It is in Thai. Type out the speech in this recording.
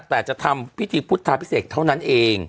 แต่จะทำพิธีพุทธาพิเศษเท่านั้นเอง